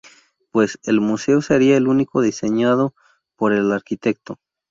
Pues, el museo sería el único diseñado por el arquitecto.